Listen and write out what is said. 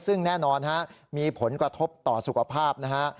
ซึ่งแน่นอนฮะมีผลกระทบต่อสุขภาพนะฮะ